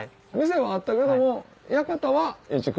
店はあったけども館は移築？